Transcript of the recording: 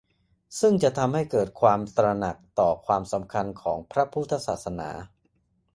ซึ่งจะทำให้เกิดความตระหนักต่อความสำคัญของพระพุทธศาสนา